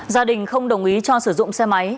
gia đình không đồng ý cho sử dụng xe máy